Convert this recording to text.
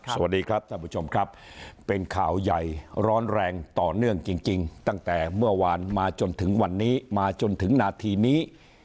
สวัสดีครับท่านผู้ชมครับเป็นข่าวใหญ่ร้อนแรงต่อเนื่องจริงตั้งแต่เมื่อวานมาจนถึงวันนี้มาจนถึงนาทีนี้